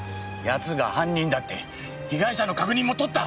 奴が犯人だって被害者の確認もとった！